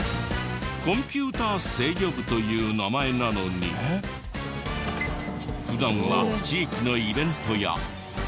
コンピューター制御部という名前なのに普段は地域のイベントや。